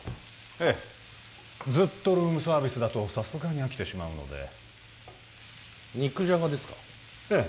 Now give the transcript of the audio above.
ええずっとルームサービスだとさすがに飽きてしまうので肉じゃがですかええ